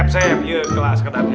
makasih makasih makasih